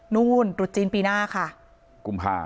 นูฮุลตุวจีนปีหน้าค่ะ